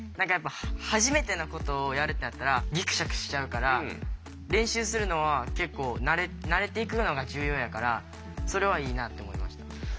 初めてのことをやるってなったらギクシャクしちゃうから練習するのは結構慣れていくのが重要やからそれはいいなって思いました。